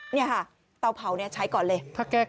นี่ค่ะเตาเผาใช้ก่อนเลย